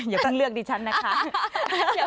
อย่าเพิ่งเลือกดิฉันนะคะ